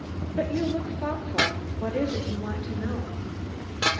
But you look thoughtful: what is it you want to know?